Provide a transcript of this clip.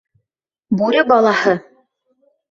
— Бүре балаһы!